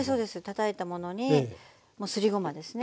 たたいたものにすりごまですね。